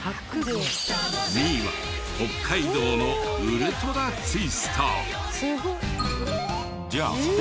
２位は北海道のウルトラツイスター。